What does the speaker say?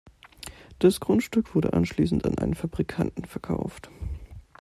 Das Grundstück wurde anschließend an einen Fabrikanten verkauft.